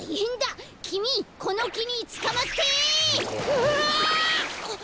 うわ！